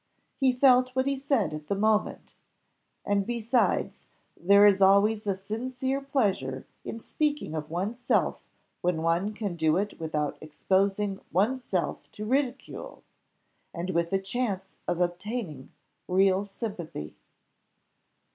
He felt what he said at the moment; and besides, there is always a sincere pleasure in speaking of one's self when one can do it without exposing one's self to ridicule, and with a chance of obtaining real sympathy.